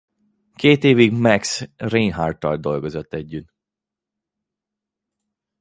Két évig Max Reinhardttal dolgozott együtt.